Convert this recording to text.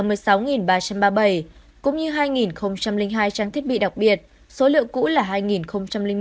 cũng như hai hai trang thiết bị đặc biệt số liệu cũ là hai một